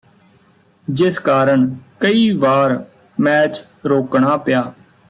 ਜਿਸ ਕਾਰਨ ਕਈ ਵਾਰ ਮੈਚ ਰੋਕਣਾ ਪਿਆ